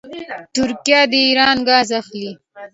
ترکیه د ایران ګاز اخلي.